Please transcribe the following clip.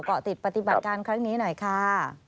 เกาะติดปฏิบัติการครั้งนี้หน่อยค่ะ